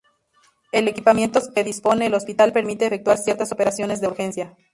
El equipamiento que dispone el hospital permite efectuar ciertas operaciones de urgencia.